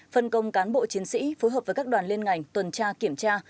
phần công cán bộ chiến sĩ phối hợp với các đoàn lên ngành tuần tra kiểm tra